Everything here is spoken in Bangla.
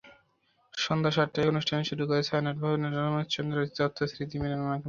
সন্ধ্যা সাতটায় অনুষ্ঠান শুরু হবে ছায়ানট ভবনের রমেশচন্দ্র দত্ত স্মৃতি মিলনকেন্দ্রে।